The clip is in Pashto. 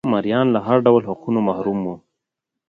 مریان له هر ډول حقونو محروم وو.